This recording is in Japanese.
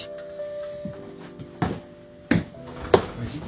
おいしい？